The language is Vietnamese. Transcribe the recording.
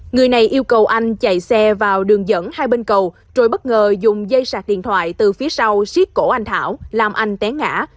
người này yêu cầu anh chạy xe vào đường dẫn hai bên cầu rồi bất ngờ dùng dây sạc điện thoại từ phía sau xiết cổ anh thảo làm anh té ngã